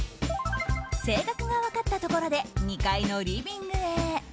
性格が分かったところで２階のリビングへ。